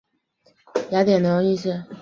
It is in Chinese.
雅典也有同样称呼的军官。